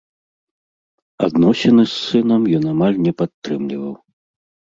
Адносіны з сынам ён амаль не падтрымліваў.